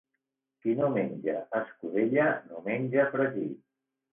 Qui no menja escudella no menja fregit.